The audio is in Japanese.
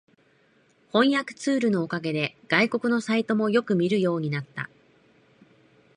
翻訳ツールのおかげで外国のサイトもよく見るようになった